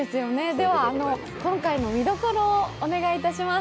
では、今回の見どころをお願いいたします。